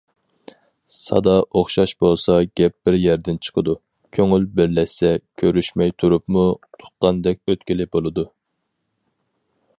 « سادا ئوخشاش بولسا گەپ بىر يەردىن چىقىدۇ، كۆڭۈل بىرلەشسە كۆرۈشمەي تۇرۇپمۇ تۇغقاندەك ئۆتكىلى بولىدۇ».